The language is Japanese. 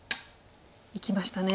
いきましたね。